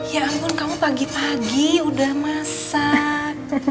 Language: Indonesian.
ya ampun kamu pagi pagi udah masak